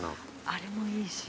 あれもいいし。